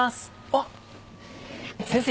おっ先生